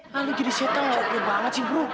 hah lu jadi setan ga oke banget sih bro